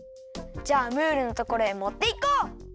じゃあムールのところへもっていこう！